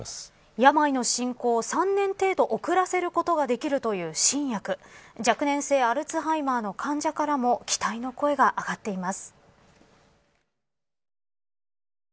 病の進行を３年程度遅らせることができるという新薬若年性アルツハイマーの患者からも期待の声が上がっています。